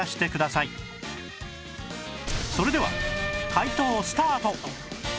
それでは解答スタート